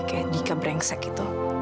kayak dika brengsek itu